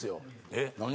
えっ何？